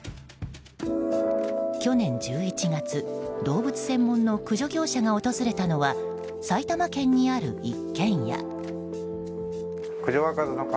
去年１１月動物専門の駆除業者が訪れたのは埼玉県にある一軒家。